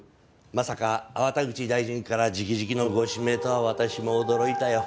まさか粟田口大臣から直々のご指名とは私も驚いたよ。